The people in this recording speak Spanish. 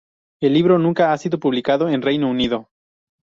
El libro nunca ha sido publicado en Reino Unido.